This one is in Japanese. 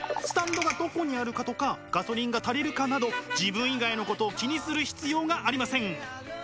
スタンドがどこにあるかとかガソリンが足りるかなど自分以外のことを気にする必要がありません。